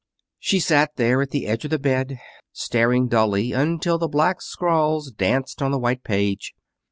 She sat there, at the edge of the bed, staring dully until the black scrawls danced on the white page.